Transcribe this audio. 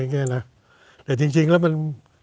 ไอนี่ไงนะจริงและมัน